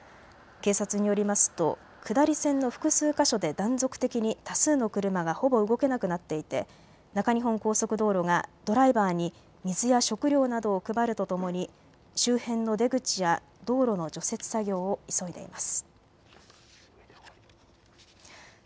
警察によりますと下り線の複数箇所で断続的に多数の車がほぼ動けなくなっていて中日本高速道路がドライバーに水や食料などを配るとともに周辺の出口や道路の除雪作業を急いでいます。